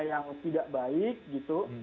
yang tidak baik gitu